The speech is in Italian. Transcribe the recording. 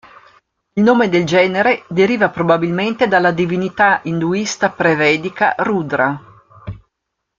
Il nome del genere deriva probabilmente dalla divinità induista pre-vedica Rudra.